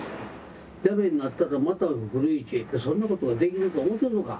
ダメになったらまた古市へってそんなことができると思てんのか。